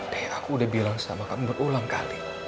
kayak aku udah bilang sama kamu berulang kali